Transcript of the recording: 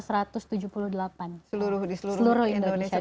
seluruh di seluruh indonesia